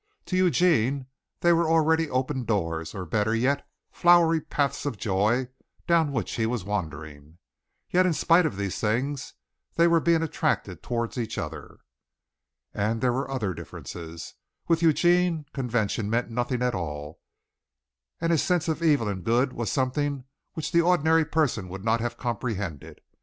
To Eugene they were already open doors, or, better yet, flowery paths of joy, down which he was wandering. Yet in spite of these things they were being attracted toward each other. And there were other differences. With Eugene convention meant nothing at all, and his sense of evil and good was something which the ordinary person would not have comprehended.